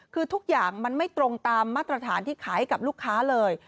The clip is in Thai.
คือทุกอย่างมันไม่ตรงตามมาตรฐานที่ขายให้กับลูกค้าเลย